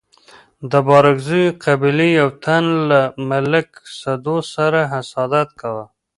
د بارکزيو قبيلي يو تن له ملک سدو سره حسادت کاوه.